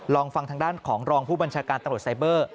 ลองฟังทางด้านของรองผู้บัญชาการตำรวจไซเบอร์